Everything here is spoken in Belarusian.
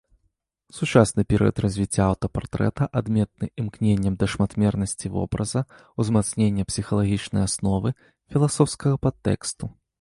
Сучасны перыяд развіцця аўтапартрэта адметны імкненнем да шматмернасці вобраза, узмацнення псіхалагічнай асновы, філасофскага падтэксту.